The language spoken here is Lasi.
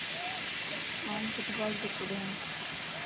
آن فٽبال تي ڪڏين